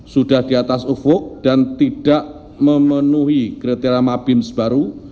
sudah di atas ufuk dan tidak memenuhi kriteria mabims baru